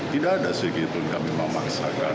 tidak ada segitu kami memaksakan